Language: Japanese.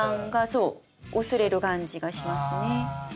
そう薄れる感じがしますね。